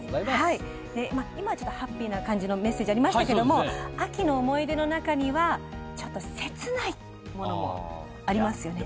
今、ハッピーな感じのメッセージありましたけど秋の思い出の中には切ないものもありますよね。